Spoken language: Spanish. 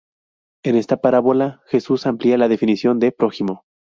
En esta parábola, Jesús amplía la definición de prójimo.